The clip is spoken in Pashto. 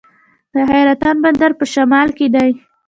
د حیرتان بندر په شمال کې دی